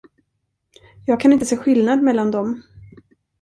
Jag kan inte se skillnad mellan dem.